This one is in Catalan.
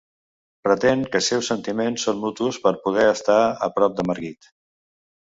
Pretén que seus sentiments son mutus per poder estar a prop de Margit.